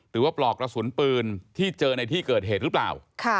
ปลอกกระสุนปืนที่เจอในที่เกิดเหตุหรือเปล่า